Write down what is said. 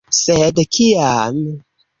Sed kiam?